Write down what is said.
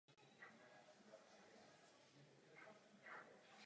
V současné době zde vysílají stanice "Pulse of West Yorkshire" a "Pulse Classic Gold".